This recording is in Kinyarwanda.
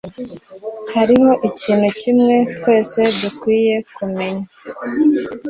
hariho ikintu kimwe twese dukwiye kumenya